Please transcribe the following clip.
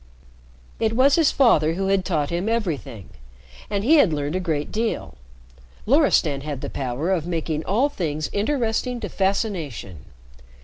It was his father who had taught him everything, and he had learned a great deal. Loristan had the power of making all things interesting to fascination.